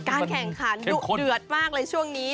การแข่งคันเต๋วดมากเลยช่วงนี้